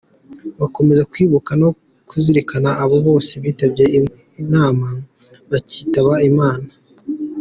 Bakomeza kwibuka no kuzirikana abo bose bitabye inama bakitaba Imana.